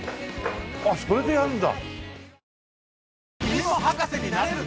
あっそれでやるんだ。